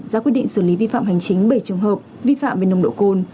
ra quyết định xử lý vi phạm hành chính bảy trường hợp vi phạm về nồng độ cồn